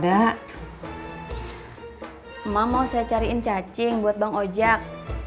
emang mau saya cariin cacing buat bang ojak